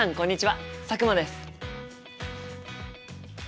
佐久間です。